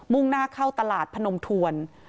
่งหน้าเข้าตลาดพนมทวน